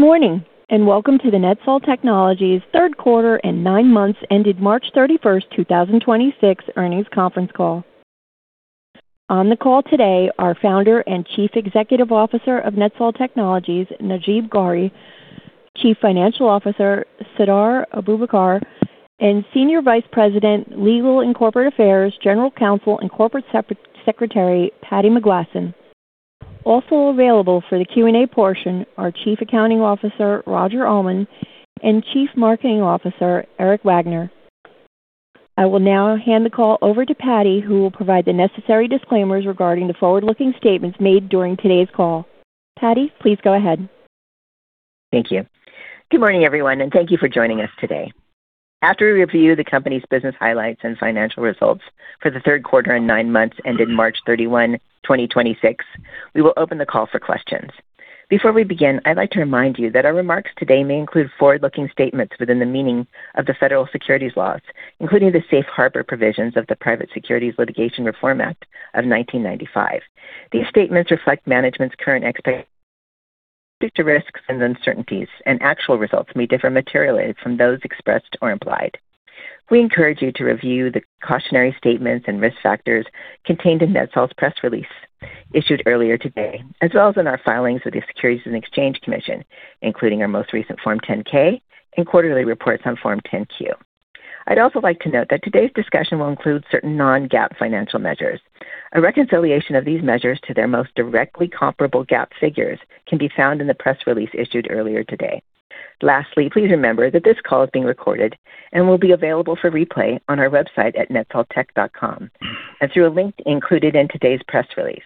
Morning, welcome to the NetSol Technologies third quarter and nine months ended March 31st, 2026 earnings conference call. On the call today are our Founder and Chief Executive Officer of NetSol Technologies, Najeeb Ghauri, Chief Financial Officer, Sardar Abubakr, and Senior Vice President, Legal and Corporate Affairs, General Counsel and Corporate Secretary, Patti McGlasson. Also available for the Q&A portion are Chief Accounting Officer, Roger Almond, and Chief Marketing Officer, Erik Wagner. I will now hand the call over to Patti, who will provide the necessary disclaimers regarding the forward-looking statements made during today's call. Patti, please go ahead. Thank you. Good morning, everyone, and thank you for joining us today. After we review the company's business highlights and financial results for the third quarter and nine months ended March 31, 2026, we will open the call for questions. Before we begin, I'd like to remind you that our remarks today may include forward-looking statements within the meaning of the Federal Securities laws, including the safe harbor provisions of the Private Securities Litigation Reform Act of 1995. These statements reflect management's current expectations due to risks and uncertainties. Actual results may differ materially from those expressed or implied. We encourage you to review the cautionary statements and risk factors contained in NetSol's press release issued earlier today, as well as in our filings with the Securities and Exchange Commission, including our most recent Form 10-K and quarterly reports on Form 10-Q. I'd also like to note that today's discussion will include certain non-GAAP financial measures. A reconciliation of these measures to their most directly comparable GAAP figures can be found in the press release issued earlier today. Lastly, please remember that this call is being recorded and will be available for replay on our website at netsoltech.com and through a link included in today's press release.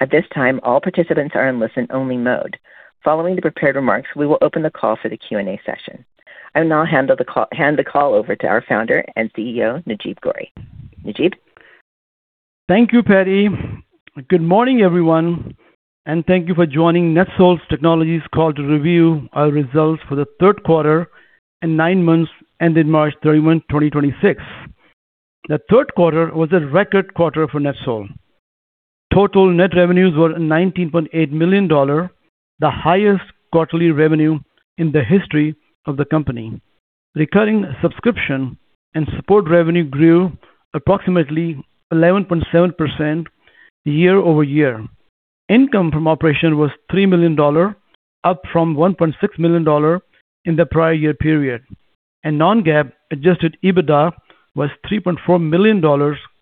At this time, all participants are in listen-only mode. Following the prepared remarks, we will open the call for the Q&A session. I will now hand the call over to our founder and CEO, Najeeb Ghauri. Najeeb? Thank you, Patti. Good morning, everyone, and thank you for joining NetSol Technologies call to review our results for the third quarter and nine months ended March 31, 2026. The third quarter was a record quarter for NetSol. Total net revenues were $19.8 million, the highest quarterly revenue in the history of the company. Recurring subscription and support revenue grew approximately 11.7% year-over-year. Income from operation was $3 million, up from $1.6 million in the prior year period, and non-GAAP adjusted EBITDA was $3.4 million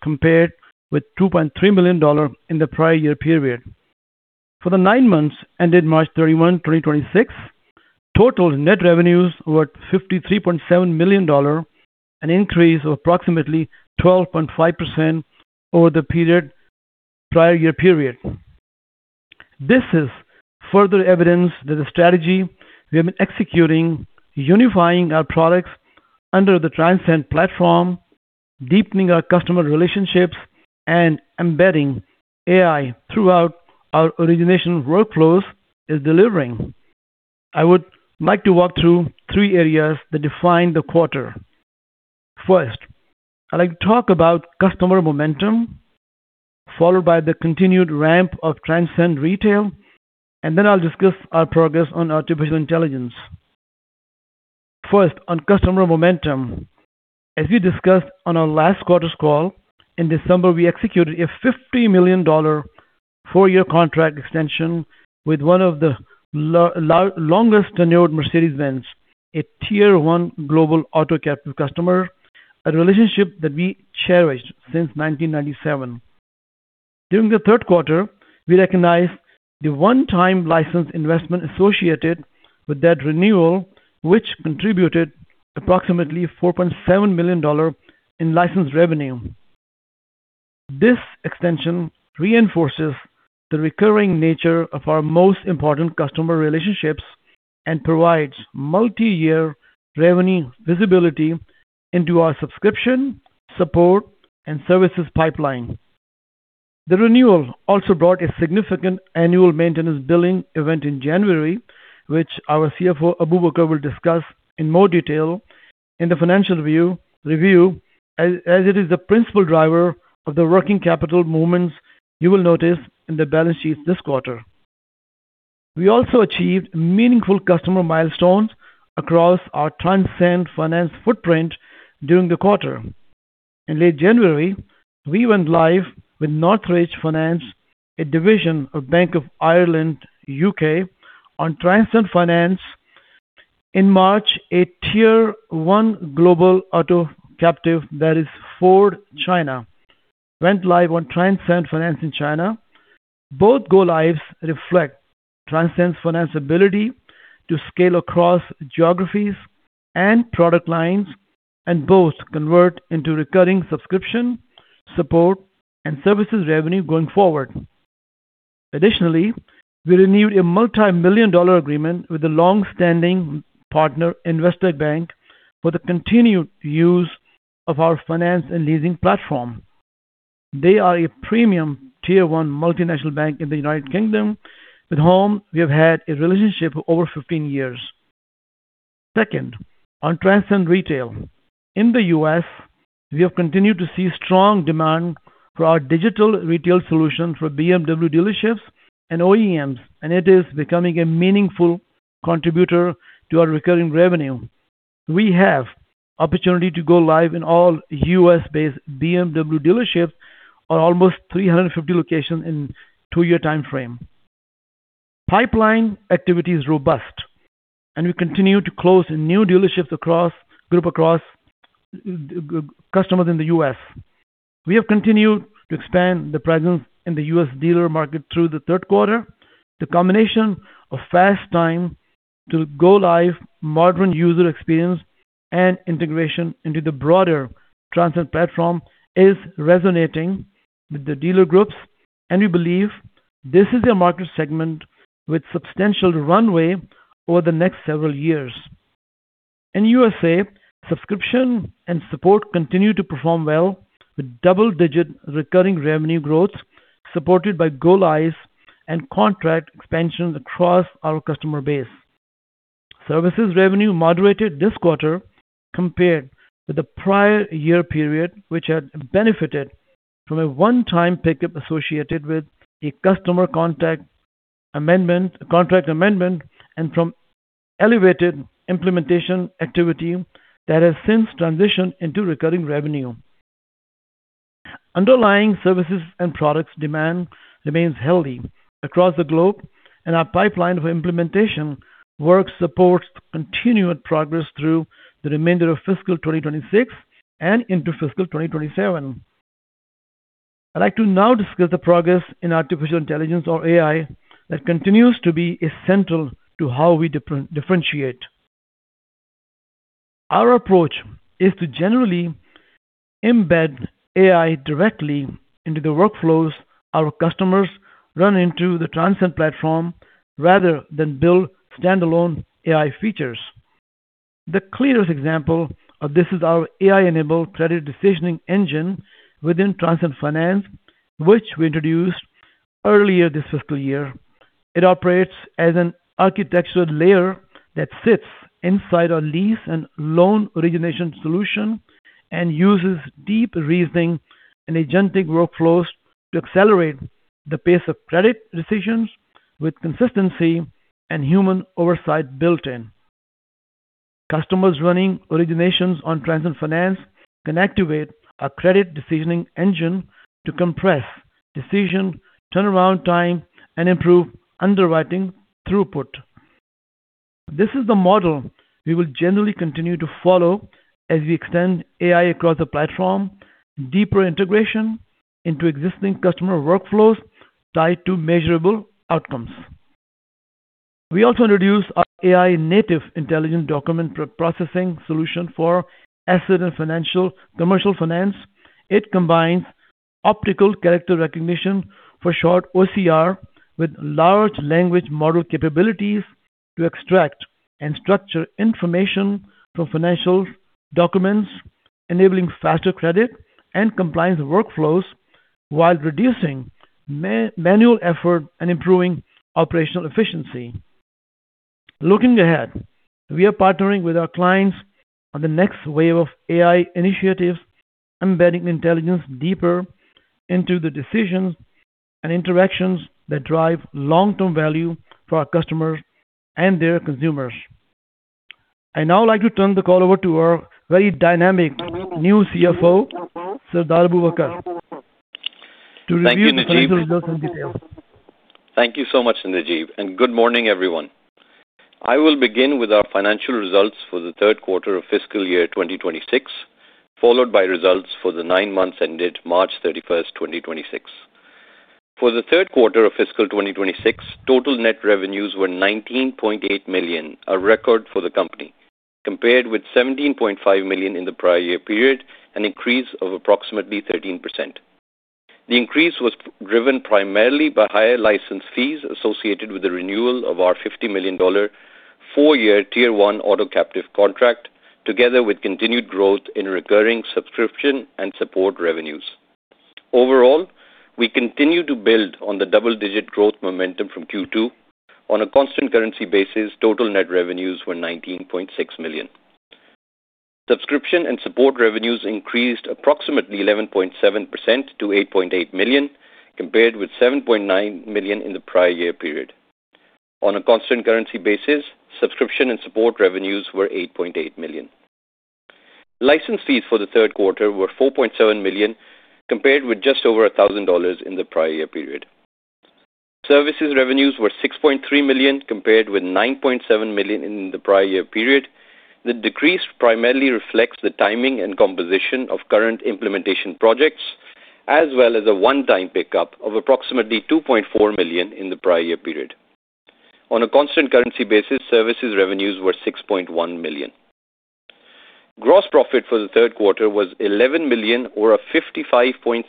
compared with $2.3 million in the prior year period. For the nine months ended March 31, 2026, total net revenues were $53.7 million, an increase of approximately 12.5% over the prior year period. This is further evidence that the strategy we have been executing, unifying our products under the Transcend Platform, deepening our customer relationships and embedding AI throughout our origination workflows, is delivering. I would like to walk through three areas that define the quarter. First, I'd like to talk about customer momentum, followed by the continued ramp of Transcend Retail, and then I'll discuss our progress on artificial intelligence. First, on customer momentum. As we discussed on our last quarter's call, in December, we executed a $50 million four-year contract extension with one of the longest tenured Mercedes-Benz, a tier one global auto captive customer, a relationship that we cherished since 1997. During the third quarter, we recognized the one-time license investment associated with that renewal, which contributed approximately $4.7 million in license revenue. This extension reinforces the recurring nature of our most important customer relationships and provides multi-year revenue visibility into our subscription, support, and services pipeline. The renewal also brought a significant annual maintenance billing event in January, which our CFO Abubakr will discuss in more detail in the financial review as it is the principal driver of the working capital movements you will notice in the balance sheet this quarter. We also achieved meaningful customer milestones across our Transcend Finance footprint during the quarter. In late January, we went live with Northridge Finance, a division of Bank of Ireland, U.K., on Transcend Finance. In March, a tier one global auto captive that is Ford China went live on Transcend Finance in China. Both go-lives reflect Transcend Finance ability to scale across geographies and product lines, and both convert into recurring subscription, support, and services revenue going forward. Additionally, we renewed a multi-million dollar agreement with the long-standing partner Investec Bank for the continued use of our finance and leasing platform. They are a premium tier one multinational bank in the U.K. with whom we have had a relationship for over 15 years. Second, on Transcend Retail. In the U.S., we have continued to see strong demand for our digital retail solution for BMW dealerships and OEMs, and it is becoming a meaningful contributor to our recurring revenue. We have opportunity to go live in all U.S.-based BMW dealerships or almost 350 locations in two year timeframe. Pipeline activity is robust, and we continue to close new dealerships group across customers in the U.S. We have continued to expand the presence in the U.S. dealer market through the third quarter. The combination of fast time to go live, modern user experience, and integration into the broader Transcend Platform is resonating with the dealer groups, and we believe this is a market segment with substantial runway over the next several years. In USA, subscription and support continue to perform well, with double-digit recurring revenue growth supported by go-lives and contract expansion across our customer base. Services revenue moderated this quarter compared with the prior year period, which had benefited from a one-time pickup associated with a customer contract amendment and from elevated implementation activity that has since transitioned into recurring revenue. Underlying services and products demand remains healthy across the globe, and our pipeline of implementation work supports continued progress through the remainder of fiscal 2026 and into fiscal 2027. I'd like to now discuss the progress in artificial intelligence or AI that continues to be essential to how we differentiate. Our approach is to generally embed AI directly into the workflows our customers run into the Transcend Platform rather than build standalone AI features. The clearest example of this is our AI-enabled credit decisioning engine within Transcend Finance, which we introduced earlier this fiscal year. It operates as an architectural layer that sits inside our lease and loan origination solution and uses deep reasoning and agentic workflows to accelerate the pace of credit decisions with consistency and human oversight built in. Customers running originations on Transcend Finance can activate a credit decisioning engine to compress decision turnaround time and improve underwriting throughput. This is the model we will generally continue to follow as we extend AI across the platform, deeper integration into existing customer workflows tied to measurable outcomes. We also introduced our AI-native intelligent document processing solution for asset and financial commercial finance. It combines optical character recognition, for short OCR, with large language model capabilities to extract and structure information from financial documents, enabling faster credit and compliance workflows while reducing manual effort and improving operational efficiency. Looking ahead, we are partnering with our clients on the next wave of AI initiatives, embedding intelligence deeper into the decisions and interactions that drive long-term value for our customers and their consumers. I'd now like to turn the call over to our very dynamic new CFO, Sardar Abubakr, to review the financial results in detail. Thank you, Najeeb. Thank you so much, Najeeb, and good morning, everyone. I will begin with our financial results for the third quarter of fiscal year 2026, followed by results for the nine months ended March 31st, 2026. For the third quarter of fiscal 2026, total net revenues were $19.8 million, a record for the company, compared with $17.5 million in the prior year period, an increase of approximately 13%. The increase was driven primarily by higher license fees associated with the renewal of our $50 million four-year tier-one auto captive contract, together with continued growth in recurring subscription and support revenues. Overall, we continue to build on the double-digit growth momentum from Q2. On a constant currency basis, total net revenues were $19.6 million. Subscription and support revenues increased approximately 11.7% to $8.8 million, compared with $7.9 million in the prior year period. On a constant currency basis, subscription and support revenues were $8.8 million. License fees for the third quarter were $4.7 million, compared with just over $1,000 in the prior year period. Services revenues were $6.3 million, compared with $9.7 million in the prior year period. The decrease primarily reflects the timing and composition of current implementation projects, as well as a one-time pickup of approximately $2.4 million in the prior year period. On a constant currency basis, services revenues were $6.1 million. Gross profit for the third quarter was $11 million or a 55.6%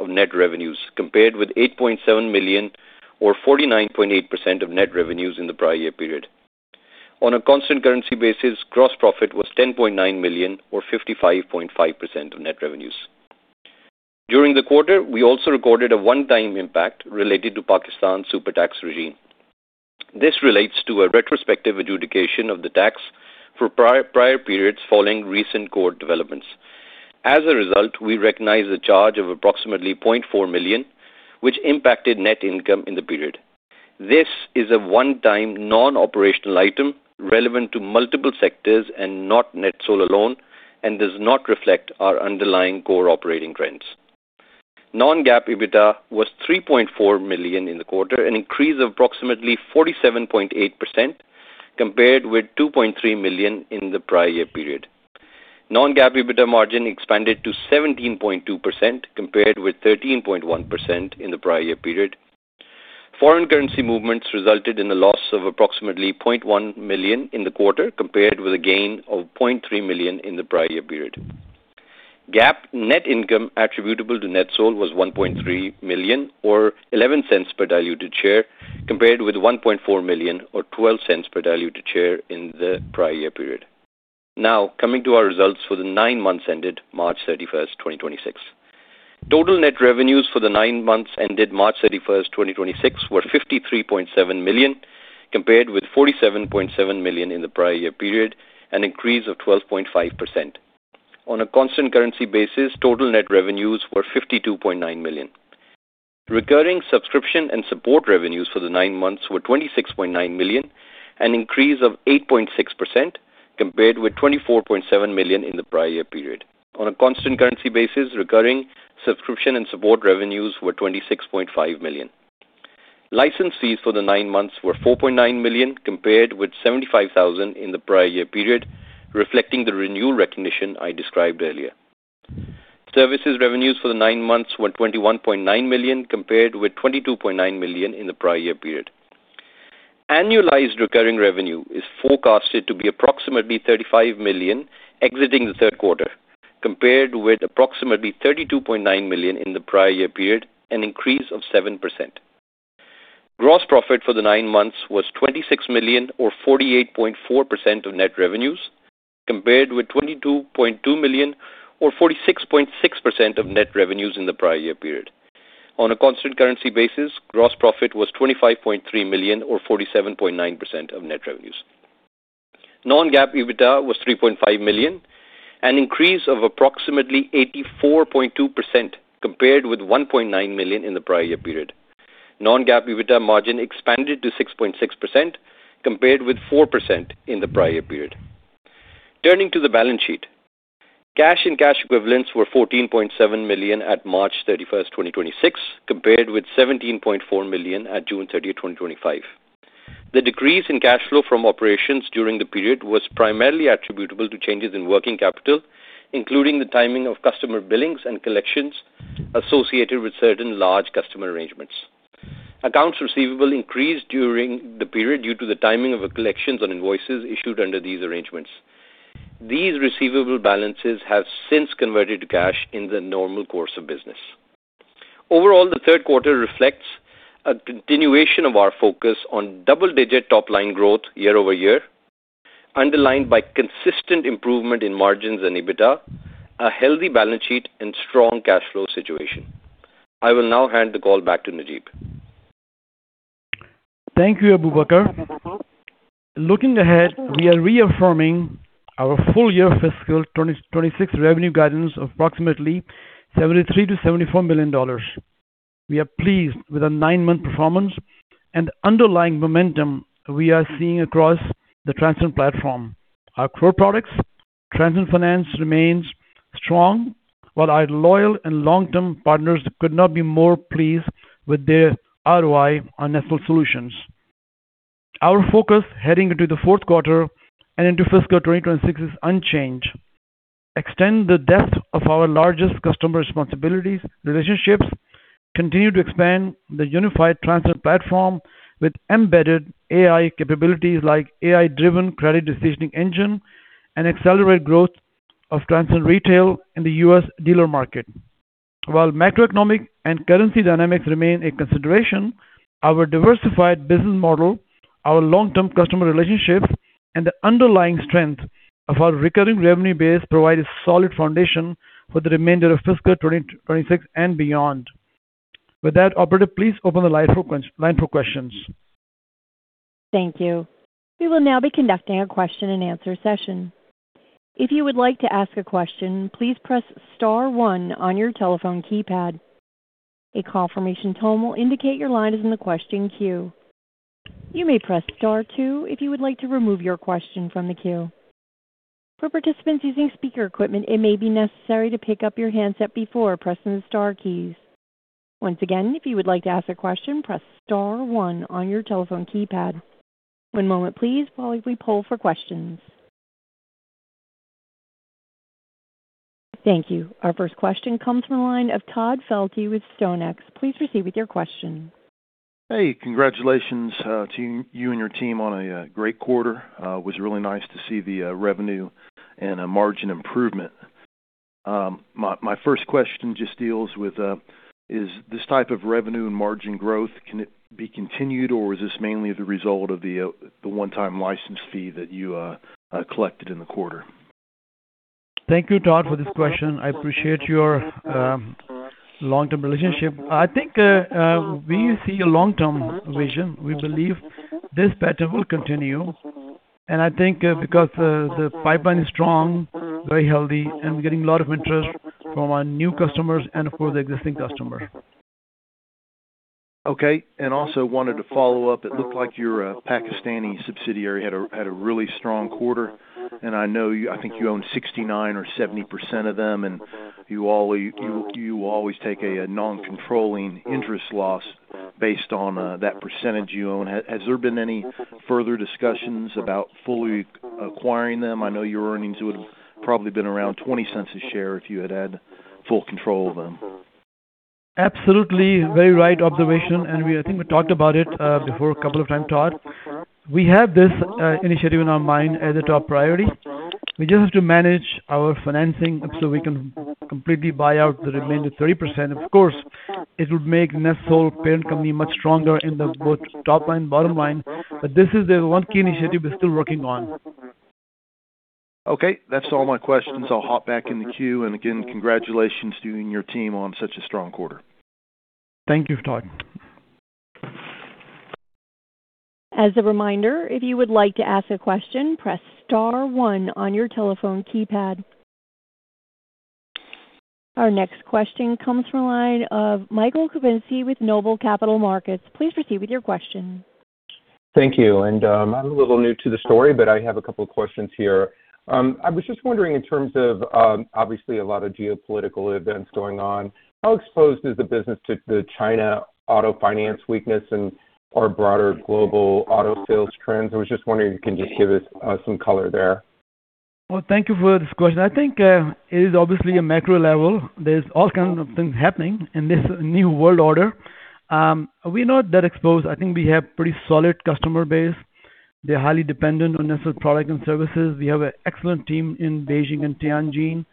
of net revenues, compared with $8.7 million or 49.8% of net revenues in the prior year period. On a constant currency basis, gross profit was $10.9 million or 55.5% of net revenues. During the quarter, we also recorded a one-time impact related to Pakistan's super tax regime. This relates to a retrospective adjudication of the tax for prior periods following recent court developments. As a result, we recognize a charge of approximately $0.4 million, which impacted net income in the period. This is a one-time non-operational item relevant to multiple sectors and not NetSol alone and does not reflect our underlying core operating trends. Non-GAAP EBITDA was $3.4 million in the quarter, an increase of approximately 47.8% compared with $2.3 million in the prior year period. Non-GAAP EBITDA margin expanded to 17.2% compared with 13.1% in the prior year period. Foreign currency movements resulted in a loss of approximately $0.1 million in the quarter compared with a gain of $0.3 million in the prior year period. GAAP net income attributable to NetSol was $1.3 million or $0.11 per diluted share compared with $1.4 million or $0.12 per diluted share in the prior year period. Now coming to our results for the nine months ended March 31, 2026. Total net revenues for the nine months ended March 31st, 2026, were $53.7 million compared with $47.7 million in the prior year period, an increase of 12.5%. On a constant currency basis, total net revenues were $52.9 million. Recurring subscription and support revenues for the nine months were $26.9 million, an increase of 8.6% compared with $24.7 million in the prior year period. On a constant currency basis, recurring subscription and support revenues were $26.5 million. License fees for the nine months were $4.9 million compared with $75,000 in the prior year period, reflecting the renewal recognition I described earlier. Services revenues for the nine months were $21.9 million compared with $22.9 million in the prior year period. Annualized recurring revenue is forecasted to be approximately $35 million exiting the third quarter compared with approximately $32.9 million in the prior year period, an increase of 7%. Gross profit for the nine months was $26 million or 48.4% of net revenues compared with $22.2 million or 46.6% of net revenues in the prior year period. On a constant currency basis, gross profit was $25.3 million or 47.9% of net revenues. Non-GAAP EBITDA was $3.5 million, an increase of approximately 84.2% compared with $1.9 million in the prior year period. Non-GAAP EBITDA margin expanded to 6.6% compared with 4% in the prior year period. Turning to the balance sheet. Cash and cash equivalents were $14.7 million at March 31st, 2026 compared with $17.4 million at June 30, 2025. The decrease in cash flow from operations during the period was primarily attributable to changes in working capital, including the timing of customer billings and collections associated with certain large customer arrangements. Accounts receivable increased during the period due to the timing of collections on invoices issued under these arrangements. These receivable balances have since converted to cash in the normal course of business. Overall, the third quarter reflects a continuation of our focus on double-digit top-line growth year-over-year, underlined by consistent improvement in margins and EBITDA, a healthy balance sheet and strong cash flow situation. I will now hand the call back to Najeeb. Thank you, Abubakr. Looking ahead, we are reaffirming our full year fiscal 2026 revenue guidance of approximately $73 million-$74 million. We are pleased with our nine month performance and underlying momentum we are seeing across the Transcend Platform. Our core products, Transcend Finance remains strong, while our loyal and long-term partners could not be more pleased with their ROI on NetSol solutions. Our focus heading into the fourth quarter and into fiscal 2026 is unchanged. Extend the depth of our largest customer responsibilities relationships, continue to expand the unified Transcend Platform with embedded AI capabilities like AI-driven credit decisioning engine, and accelerate growth of Transcend Retail in the U.S. dealer market. While macroeconomic and currency dynamics remain a consideration, our diversified business model, our long-term customer relationships, and the underlying strength of our recurring revenue base provide a solid foundation for the remainder of fiscal 2026 and beyond. With that, operator, please open the line for questions. Thank you. We will now be conducting a question and answer session. If you would like to ask a question, please press star one on your telephone keypad. A confirmation tone will indicate your line is in the question queue. You may press star two if you would like to remove your question from the queue. For participants using speaker equipment, it may be necessary to pick up your handset before pressing the star keys. Once again, if you would like to ask a question, press star one on your telephone keypad. One moment please while we poll for questions. Thank you. Our first question comes from the line of Todd Felte with StoneX. Please proceed with your question. Hey, congratulations to you and your team on a great quarter. It was really nice to see the revenue and a margin improvement. My first question just deals with, is this type of revenue and margin growth, can it be continued, or is this mainly the result of the one-time license fee that you collected in the quarter? Thank you, Todd, for this question. I appreciate your long-term relationship. I think, we see a long-term vision. We believe this pattern will continue, and I think, because the pipeline is strong, very healthy, and we're getting a lot of interest from our new customers and of course the existing customers. Okay. Also wanted to follow up. It looked like your Pakistani subsidiary had a really strong quarter. I think you own 69% or 70% of them, you always take a non-controlling interest loss based on that percentage you own. Has there been any further discussions about fully acquiring them? I know your earnings would have probably been around $0.20 a share if you had had full control of them. Absolutely. Very right observation. We I think we talked about it before a couple of times, Todd. We have this initiative in our mind as a top priority. We just have to manage our financing so we can completely buy out the remaining 30%. Of course, it would make NetSol parent company much stronger in the both top line, bottom line. This is the one key initiative we're still working on. Okay, that's all my questions. I'll hop back in the queue. Again, congratulations to you and your team on such a strong quarter. Thank you, Todd. As a reminder, if you would like to ask a question, press star one on your telephone keypad. Our next question comes from the line of Michael Kupinski with Noble Capital Markets. Please proceed with your question. Thank you. I'm a little new to the story, but I have a couple of questions here. I was just wondering in terms of, obviously a lot of geopolitical events going on, how exposed is the business to the China auto finance weakness and or broader global auto sales trends? I was just wondering if you can just give us some color there. Well, thank you for this question. I think it is obviously a macro level. There's all kinds of things happening in this new world order. We're not that exposed. I think we have pretty solid customer base. They're highly dependent on NetSol product and services. We have an excellent team in Beijing and Tianjin.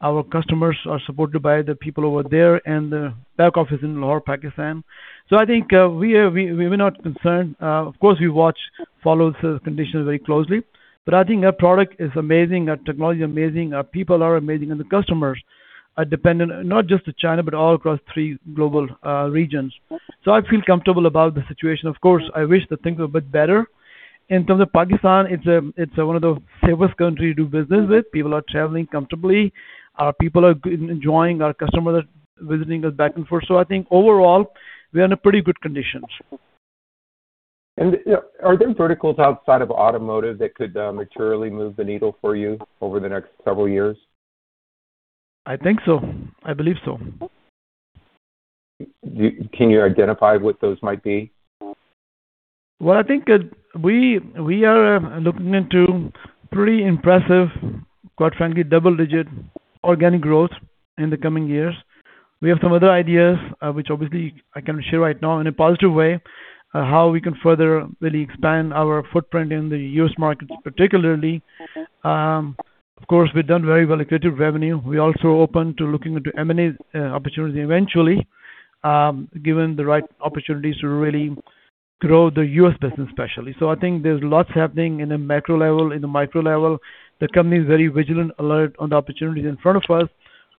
Our customers are supported by the people over there and the back office in Lahore, Pakistan. I think we're not concerned. Of course, we watch, follow the conditions very closely, I think our product is amazing, our technology amazing, our people are amazing, and the customers are dependent, not just to China, all across three global regions. I feel comfortable about the situation. Of course, I wish that things were a bit better. In terms of Pakistan, it's one of the safest country to do business with. People are traveling comfortably. Our people are enjoying. Our customers are visiting us back and forth. I think overall, we are in a pretty good condition. Are there verticals outside of automotive that could materially move the needle for you over the next several years? I think so. I believe so. Can you identify what those might be? Well, I think, we are looking into pretty impressive, quite frankly, double-digit organic growth in the coming years. We have some other ideas, which obviously I can share right now in a positive way, how we can further really expand our footprint in the U.S. market particularly. Of course, we've done very well accretive revenue. We're also open to looking into M&A opportunity eventually, given the right opportunities to really grow the U.S. business especially. I think there's lots happening in a macro level, in the micro level. The company is very vigilant, alert on the opportunities in front of us.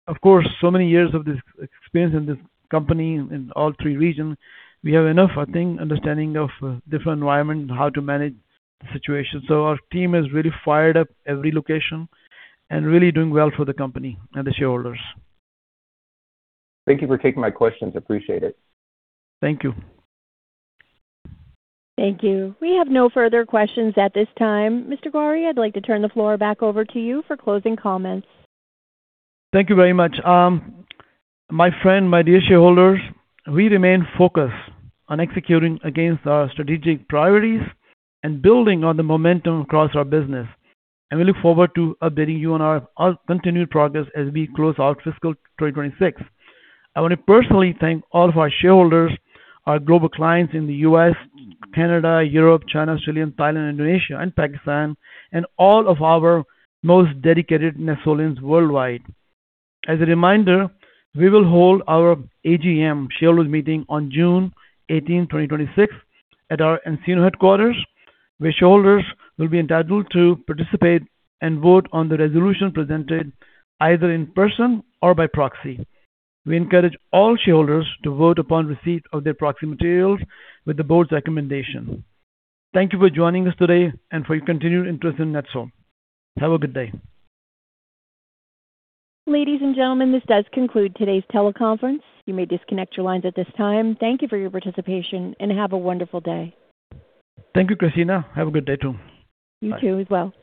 Of course, so many years of this experience in this company in all three regions, we have enough, I think, understanding of different environment and how to manage the situation. Our team is really fired up every location and really doing well for the company and the shareholders. Thank you for taking my questions. Appreciate it. Thank you. Thank you. We have no further questions at this time. Mr. Ghauri, I'd like to turn the floor back over to you for closing comments. Thank you very much. My friend, my dear shareholders, we remain focused on executing against our strategic priorities and building on the momentum across our business. We look forward to updating you on our continued progress as we close out fiscal 2026. I want to personally thank all of our shareholders, our global clients in the U.S., Canada, Europe, China, Australia, Thailand, Indonesia, and Pakistan, and all of our most dedicated NetSolians worldwide. As a reminder, we will hold our AGM shareholders meeting on June 18, 2026 at our Encino headquarters, where shareholders will be entitled to participate and vote on the resolution presented either in person or by proxy. We encourage all shareholders to vote upon receipt of their proxy materials with the board's recommendation. Thank you for joining us today and for your continued interest in NetSol. Have a good day. Ladies and gentlemen, this does conclude today's teleconference. You may disconnect your lines at this time. Thank you for your participation, and have a wonderful day. Thank you, Christina. Have a good day too. Bye. You too as well.